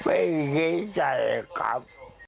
เออไม่ใช่ครับ